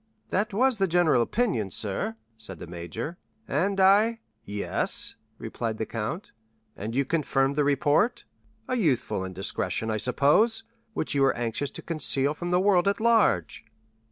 "That was the general opinion, sir," said the major, "and I——" "Yes," replied the count, "and you confirmed the report. A youthful indiscretion, I suppose, which you were anxious to conceal from the world at large?"